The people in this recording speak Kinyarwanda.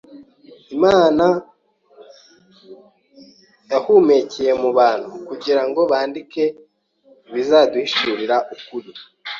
Imana yahumekeye mu bantu kugira ngo bandike ibizaduhishurira ukuri,